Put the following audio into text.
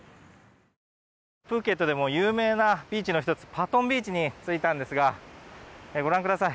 プーケットでも有名なビーチの１つパトンビーチに着いたんですがご覧ください。